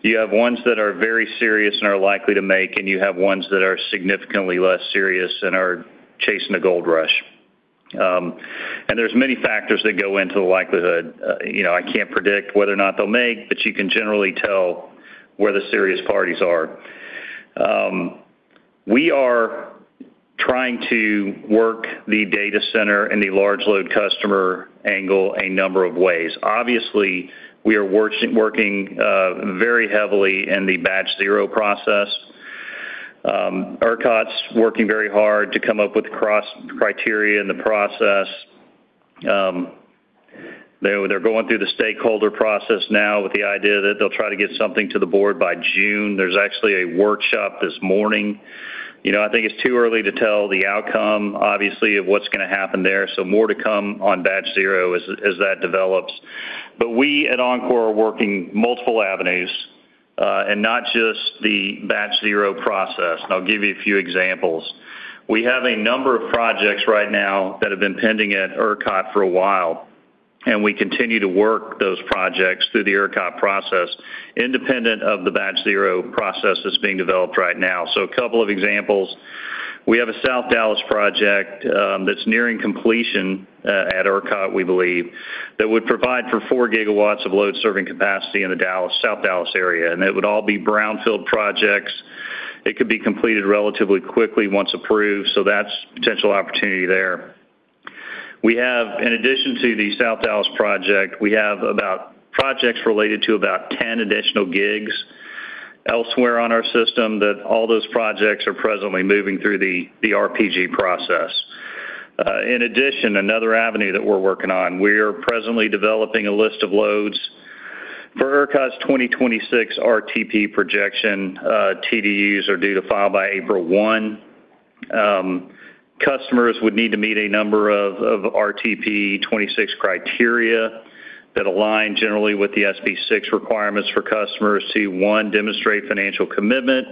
You have ones that are very serious and are likely to make, and you have ones that are significantly less serious and are chasing a gold rush. There's many factors that go into the likelihood. I can't predict whether or not they'll make, but you can generally tell where the serious parties are. We are trying to work the data center and the large load customer angle a number of ways. Obviously, we are working very heavily in the Batch Zero process. ERCOT's working very hard to come up with cross-criteria in the process. They're going through the stakeholder process now with the idea that they'll try to get something to the board by June. There's actually a workshop this morning. I think it's too early to tell the outcome, obviously, of what's going to happen there. More to come on Batch Zero as that develops. We at Oncor are working multiple avenues and not just the Batch Zero process. I'll give you a few examples. We have a number of projects right now that have been pending at ERCOT for a while. We continue to work those projects through the ERCOT process independent of the Batch Zero process that's being developed right now. A couple of examples, we have a South Dallas project that's nearing completion at ERCOT, we believe, that would provide for 4 GW of load serving capacity in the South Dallas area. It would all be brownfield projects. It could be completed relatively quickly once approved. That's potential opportunity there. In addition to the South Dallas project, we have projects related to about 10 additional GW elsewhere on our system that all those projects are presently moving through the RPG process. Another avenue that we're working on, we are presently developing a list of loads. For ERCOT's 2026 RTP projection, TDUs are due to file by April 1. Customers would need to meet a number of RTP 26 criteria that align generally with the SB 6 requirements for customers to, one, demonstrate financial commitment,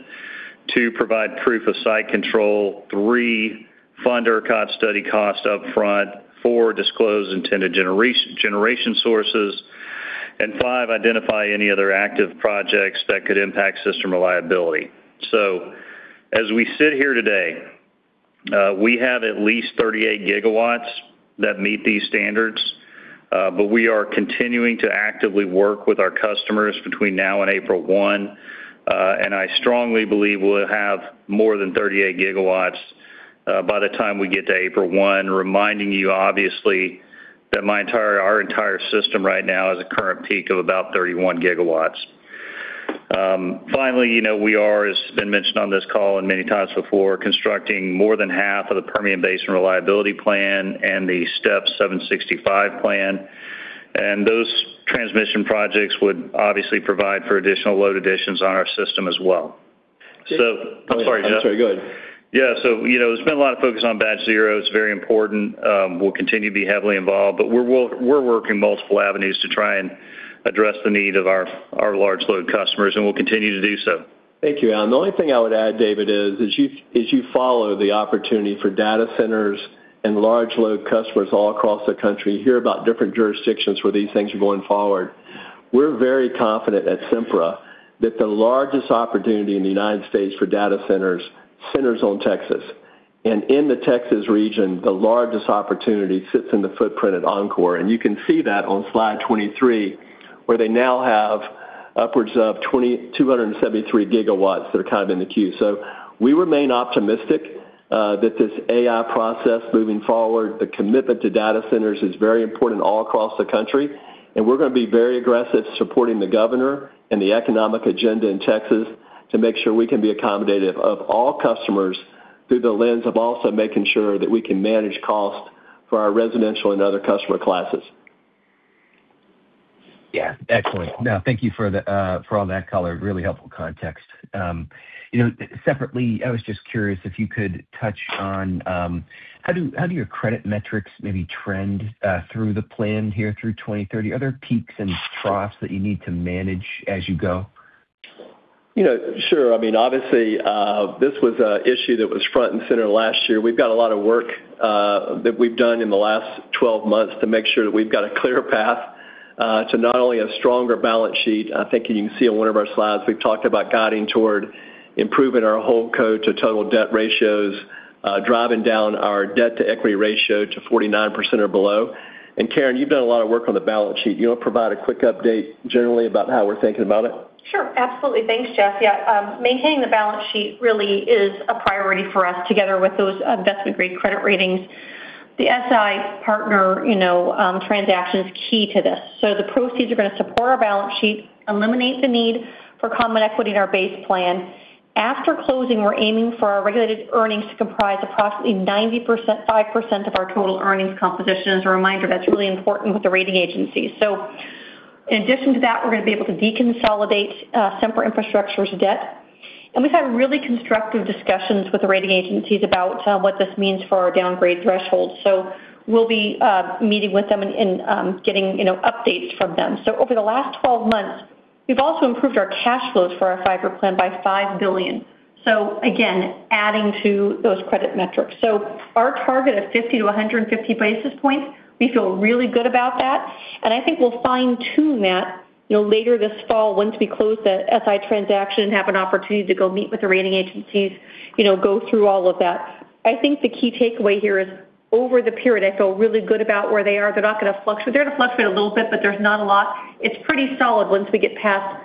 two, provide proof of site control, three, fund ERCOT study cost upfront, four, disclose intended generation sources, and five, identify any other active projects that could impact system reliability. As we sit here today, we have at least 38 GW that meet these standards. We are continuing to actively work with our customers between now and April 1. I strongly believe we'll have more than 38 GW by the time we get to April 1, reminding you, obviously, that our entire system right now is a current peak of about 31 GW. Finally, we are, as has been mentioned on this call and many times before, constructing more than half of the Permian Basin Reliability Plan and the STEP 765kV Plan. Those transmission projects would obviously provide for additional load additions on our system as well. I'm sorry, Jeff. Go ahead. There's been a lot of focus on Batch Zero. It's very important. We'll continue to be heavily involved. We're working multiple avenues to try and address the need of our large load customers. We'll continue to do so. Thank you, Allen. The only thing I would add, David, is as you follow the opportunity for data centers and large load customers all across the country hear about different jurisdictions where these things are going forward, we're very confident at Sempra that the largest opportunity in the United States for data centers on Texas. In the Texas region, the largest opportunity sits in the footprint at Oncor. You can see that on slide 23 where they now have upwards of 273 GW that are kind of in the queue. We remain optimistic that this AI process moving forward, the commitment to data centers, is very important all across the country. We're going to be very aggressive supporting the governor and the economic agenda in Texas to make sure we can be accommodative of all customers through the lens of also making sure that we can manage cost for our residential and other customer classes. Yeah. Excellent. No, thank you for all that color. Really helpful context. Separately, I was just curious if you could touch on how do your credit metrics maybe trend through the plan here through 2030? Are there peaks and troughs that you need to manage as you go? Sure. I mean, obviously, this was an issue that was front and center last year. We've got a lot of work that we've done in the last 12 months to make sure that we've got a clear path to not only a stronger balance sheet. I think you can see on one of our slides, we've talked about guiding toward improving our whole code to total debt ratios, driving down our debt to equity ratio to 49% or below. Karen, you've done a lot of work on the balance sheet. You want to provide a quick update generally about how we're thinking about it? Sure. Absolutely. Thanks, Jeff. Yeah. Maintaining the balance sheet really is a priority for us together with those investment-grade credit ratings. The SI Partners transaction is key to this. The proceeds are going to support our balance sheet, eliminate the need for common equity in our base plan. After closing, we're aiming for our regulated earnings to comprise approximately 5% of our total earnings composition. As a reminder, that's really important with the rating agencies. In addition to that, we're going to be able to deconsolidate Sempra Infrastructure's debt. We've had really constructive discussions with the rating agencies about what this means for our downgrade thresholds. We'll be meeting with them and getting updates from them. Over the last 12 months, we've also improved our cash flows for our five-year plan by $5 billion. Again, adding to those credit metrics. Our target of 50-150 basis points, we feel really good about that. I think we'll fine-tune that later this fall once we close the SI transaction and have an opportunity to go meet with the rating agencies, go through all of that. I think the key takeaway here is over the period, I feel really good about where they are. They're not going to fluctuate. They're going to fluctuate a little bit, but there's not a lot. It's pretty solid once we get past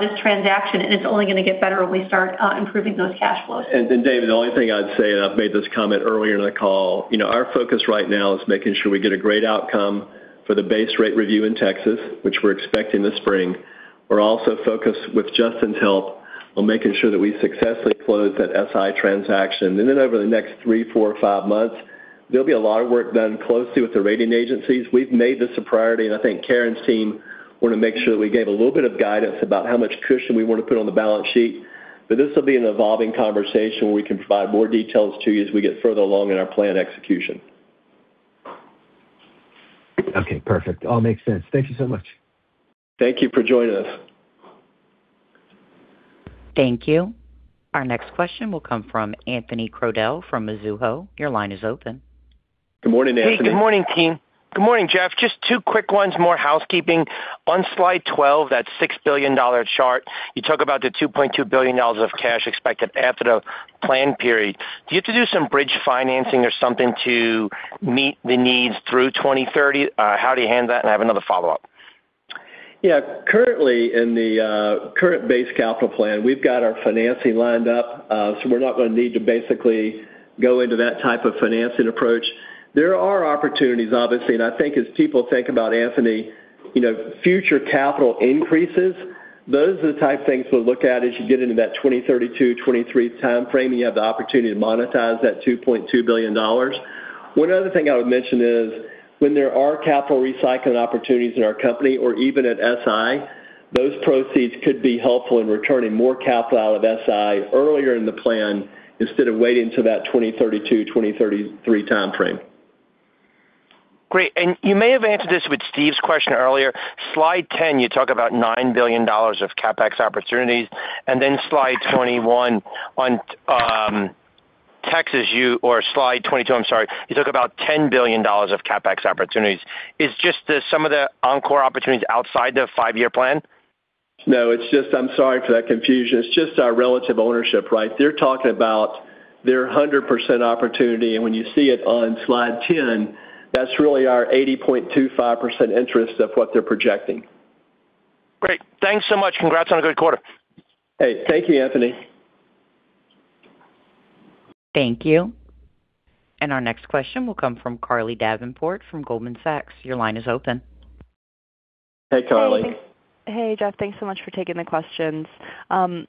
this transaction. It's only going to get better when we start improving those cash flows. David, the only thing I'd say, and I've made this comment earlier in the call, our focus right now is making sure we get a great outcome for the base rate review in Texas, which we're expecting this spring. We're also focused, with Justin's help, on making sure that we successfully close that SI transaction. Over the next three, four, five months, there'll be a lot of work done closely with the rating agencies. We've made this a priority. I think Karen's team want to make sure that we gave a little bit of guidance about how much cushion we want to put on the balance sheet. This will be an evolving conversation where we can provide more details to you as we get further along in our plan execution. Okay. Perfect. All makes sense. Thank you so much. Thank you for joining us. Thank you. Our next question will come from Anthony Crowdell from Mizuho. Your line is open. Good morning, Anthony. Hey. Good morning, team. Good morning, Jeff. Just two quick ones, more housekeeping. On slide 12, that $6 billion chart, you talk about the $2.2 billion of cash expected after the plan period. Do you have to do some bridge financing or something to meet the needs through 2030? How do you handle that? I have another follow-up. Yeah. Currently, in the current base capital plan, we've got our financing lined up. We're not going to need to basically go into that type of financing approach. There are opportunities, obviously. I think as people think about Anthony, future capital increases, those are the type of things we'll look at as you get into that 2032, 2023 time frame, and you have the opportunity to monetize that $2.2 billion. One other thing I would mention is when there are capital recycling opportunities in our company or even at SI, those proceeds could be helpful in returning more capital out of SI earlier in the plan instead of waiting until that 2032, 2033 time frame. Great. You may have answered this with Steve's question earlier. Slide 10, you talk about $9 billion of CapEx opportunities. Slide 21 on Texas or slide 22, I'm sorry, you talk about $10 billion of CapEx opportunities. Is just some of the Oncor opportunities outside the five-year plan? No. I'm sorry for that confusion. It's just our relative ownership, right? They're talking about their 100% opportunity. When you see it on slide 10, that's really our 80.25% interest of what they're projecting. Great. Thanks so much. Congrats on a good quarter. Hey. Thank you, Anthony. Thank you. Our next question will come from Carly Davenport from Goldman Sachs. Your line is open. Hey, Carly. Hey, Jeff. Thanks so much for taking the questions.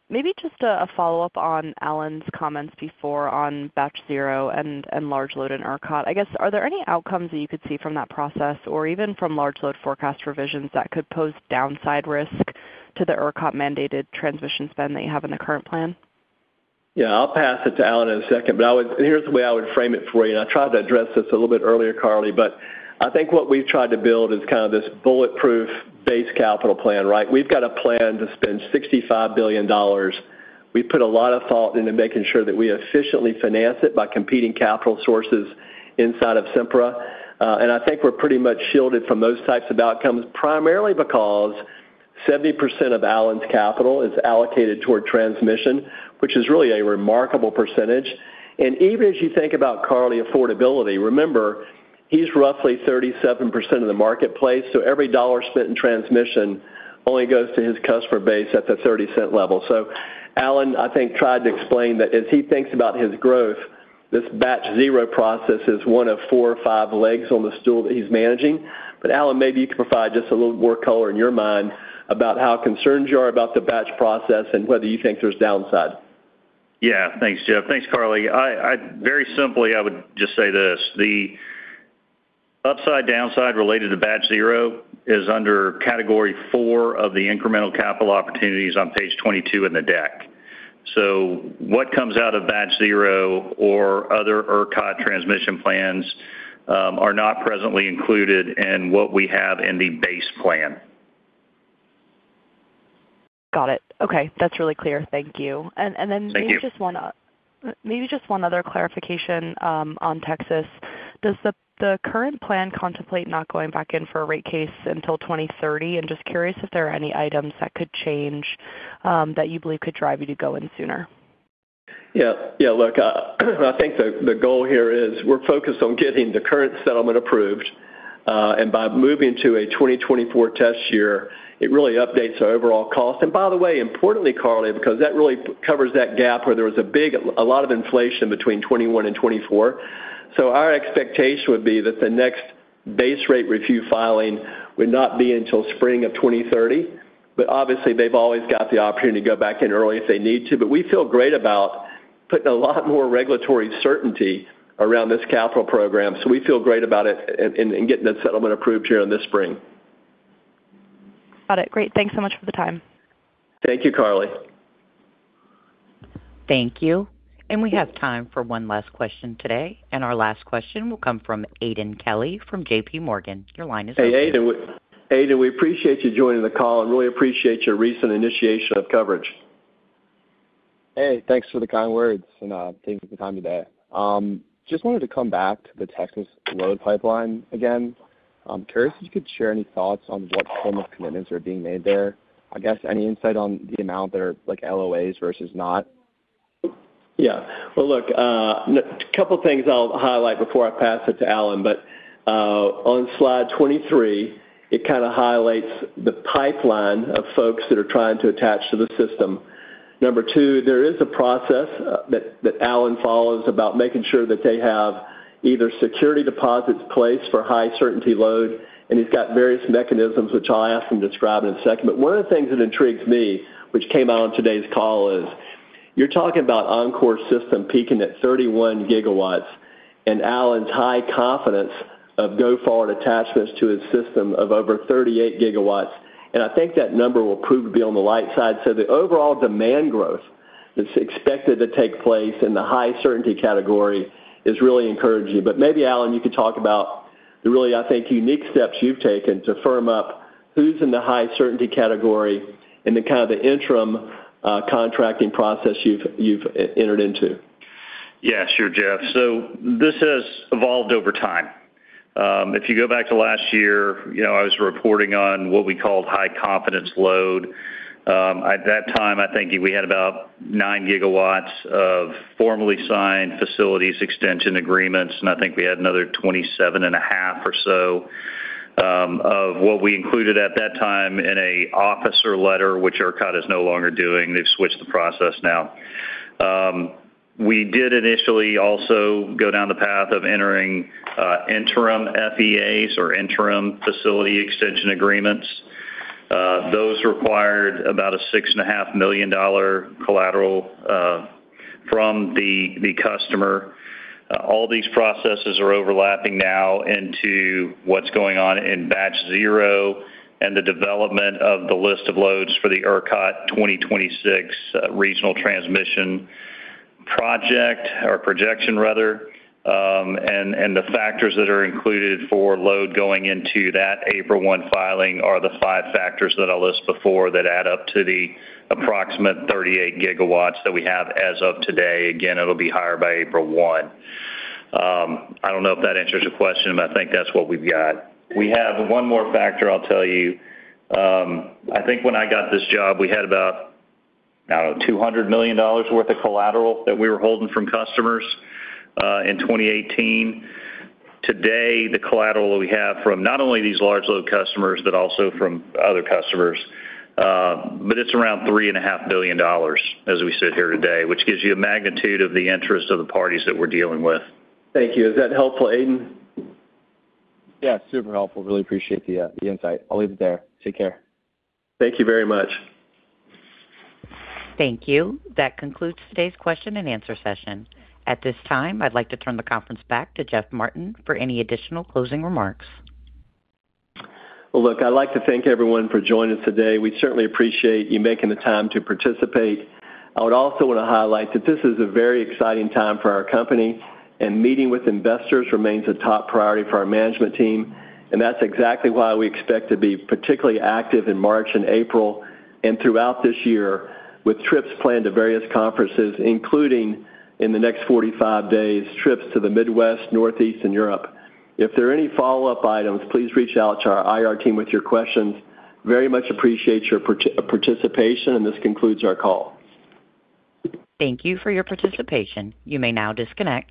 Maybe just a follow-up on Allen's comments before on Batch Zero and large load in ERCOT. I guess, are there any outcomes that you could see from that process or even from large load forecast revisions that could pose downside risk to the ERCOT-mandated transmission spend that you have in the current plan? Yeah. I'll pass it to Allen in a second. Here's the way I would frame it for you. I tried to address this a little bit earlier, Carly Davenport. I think what we've tried to build is kind of this bulletproof base capital plan, right? We've got a plan to spend $65 billion. We've put a lot of thought into making sure that we efficiently finance it by competing capital sources inside of Sempra. I think we're pretty much shielded from those types of outcomes primarily because 70% of Allen's capital is allocated toward transmission, which is really a remarkable percentage. Even as you think about Carly Davenport affordability, remember, he's roughly 37% of the marketplace. Every dollar spent in transmission only goes to his customer base at the $0.30 level. Allen, I think, tried to explain that as he thinks about his growth, this Batch Zero process is one of four or five legs on the stool that he's managing. Allen, maybe you could provide just a little more color in your mind about how concerned you are about the Batch Zero process and whether you think there's downside. Yeah. Thanks, Jeff. Thanks, Carly. Very simply, I would just say this. The upside/downside related to Batch Zero is under category four of the incremental capital opportunities on page 22 in the deck. What comes out of Batch Zero or other ERCOT transmission plans are not presently included in what we have in the base plan. Got it. Okay. That's really clear. Thank you. Maybe just one other clarification on Texas. Does the current plan contemplate not going back in for a rate case until 2030? Just curious if there are any items that could change that you believe could drive you to go in sooner. Yeah. Yeah. Look, I think the goal here is we're focused on getting the current settlement approved. By moving to a 2024 test year, it really updates our overall cost. By the way, importantly, Carly, because that really covers that gap where there was a lot of inflation between 2021 and 2024, our expectation would be that the next base rate review filing would not be until spring of 2030. Obviously, they've always got the opportunity to go back in early if they need to. We feel great about putting a lot more regulatory certainty around this capital program. We feel great about it and getting the settlement approved here in the spring. Got it. Great. Thanks so much for the time. Thank you, Carly. Thank you. We have time for one last question today. Our last question will come from Aidan Kelly from JPMorgan. Your line is open. Hey, Aiden. Aiden, we appreciate you joining the call and really appreciate your recent initiation of coverage. Hey. Thanks for the kind words and taking the time today. Just wanted to come back to the Texas load pipeline again. I'm curious if you could share any thoughts on what form of commitments are being made there. I guess any insight on the amount that are LOAs versus not. Yeah. Well, look, a couple of things I'll highlight before I pass it to Allen. On slide 23, it kind of highlights the pipeline of folks that are trying to attach to the system. Number two, there is a process that Allen follows about making sure that they have either security deposits placed for high certainty load. He's got various mechanisms, which I'll ask him to describe in a second. One of the things that intrigues me, which came out on today's call, is you're talking about Oncor's system peaking at 31 GW and Allen's high confidence of go-forward attachments to his system of over 38 GW. I think that number will prove to be on the light side. The overall demand growth that's expected to take place in the high certainty category is really encouraging. Maybe, Allen, you could talk about the really, I think, unique steps you've taken to firm up who's in the high certainty category and kind of the interim contracting process you've entered into. Sure, Jeff. This has evolved over time. If you go back to last year, I was reporting on what we called high confidence load. At that time, I think we had about 9 GW of formally signed facilities extension agreements. I think we had another 27.5 GW or so of what we included at that time in an officer letter, which ERCOT is no longer doing. They've switched the process now. We did initially also go down the path of entering interim FEAs or interim facility extension agreements. Those required about a $6.5 million collateral from the customer. All these processes are overlapping now into what's going on in Batch Zero and the development of the list of loads for the ERCOT 2026 Regional Transmission Project or projection, rather. The factors that are included for load going into that April 1 filing are the five factors that I listed before that add up to the approximate 38 GW that we have as of today. Again, it'll be higher by April 1. I don't know if that answers your question, but I think that's what we've got. We have one more factor I'll tell you. I think when I got this job, we had about, I don't know, $200 million worth of collateral that we were holding from customers in 2018. Today, the collateral that we have from not only these large load customers but also from other customers, but it's around $3.5 billion as we sit here today, which gives you a magnitude of the interest of the parties that we're dealing with. Thank you. Is that helpful, Aidan? Yeah. Super helpful. Really appreciate the insight. I'll leave it there. Take care. Thank you very much. Thank you. That concludes today's question and answer session. At this time, I'd like to turn the conference back to Jeff Martin for any additional closing remarks. Well, look, I'd like to thank everyone for joining us today. We certainly appreciate you making the time to participate. I would also want to highlight that this is a very exciting time for our company. Meeting with investors remains a top priority for our management team. That's exactly why we expect to be particularly active in March and April and throughout this year with trips planned to various conferences, including in the next 45 days, trips to the Midwest, Northeast, and Europe. If there are any follow-up items, please reach out to our IR team with your questions. Very much appreciate your participation. This concludes our call. Thank you for your participation. You may now disconnect.